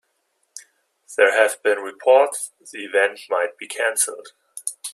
There have been reports the event might be canceled.